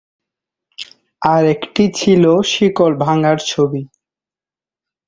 আরেকটি ছিল শিকল ভাঙার ছবি।